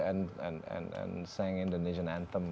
dan menyanyikan anthem indonesia